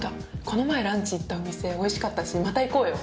この前ランチ行ったお店おいしかったしまた行こうよ。